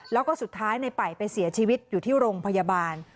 แล้วก็สุดท้ายในป่ายไปเสียชีวิตอยู่ที่โรงพยาบาล